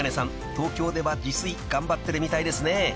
東京では自炊頑張ってるみたいですね］